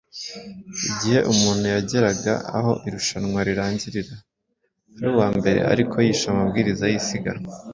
igihe umuntu yageraga aho irushanwa rirangirira ari uwa mbere ariko yishe amabwiriza y’isiganwa,